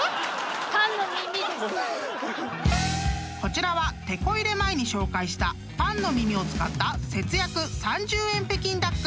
［こちらはテコ入れ前に紹介したパンの耳を使った節約３０円北京ダック］